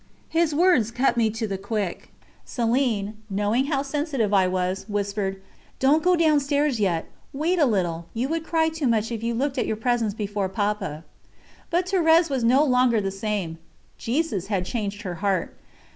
His words cut me to the quick. Céline, knowing how sensitive I was, whispered: "Don't go downstairs just yet wait a little, you would cry too much if you looked at your presents before Papa." But Thérèse was no longer the same Jesus had changed her heart.